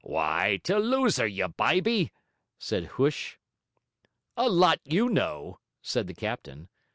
'Wy, to lose her, you byby!' said Huish. 'A lot you know,' said the captain.